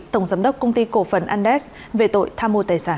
tổng giám đốc công ty cổ phần andes về tội tham mô tài sản